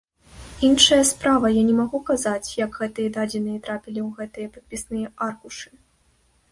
Іншая справа, я не магу казаць, як гэтыя дадзеныя трапілі ў гэтыя падпісныя аркушы.